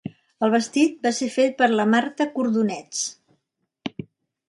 El vestit va ser fet per la Marta Cordonets.